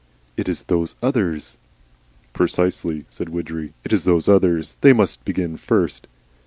It is Those Others." "Precisely," said Widgery. "It is Those Others. They must begin first."